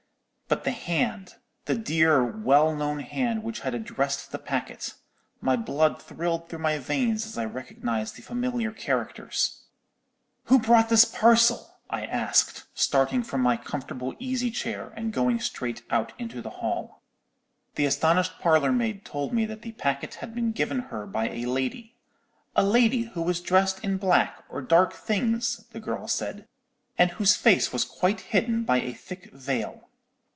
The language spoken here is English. "But the hand, the dear, well known hand, which had addressed the packet—my blood thrilled through my veins as I recognized the familiar characters. "'Who brought this parcel?' I asked, starting from my comfortable easy chair, and going straight out into the hall. "The astonished parlour maid told me that the packet had been given her by a lady, 'a lady who was dressed in black, or dark things,' the girl said, 'and whose face was quite hidden by a thick veil.'